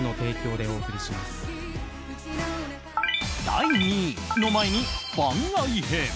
第２位の前に番外編。